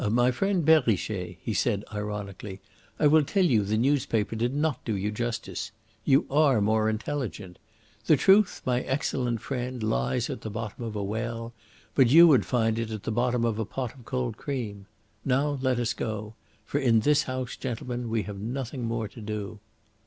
"My friend Perrichet," he said ironically, "I will tell you the newspaper did not do you justice. You are more intelligent. The truth, my excellent friend, lies at the bottom of a well; but you would find it at the bottom of a pot of cold cream. Now let us go. For in this house, gentlemen, we have nothing more to do."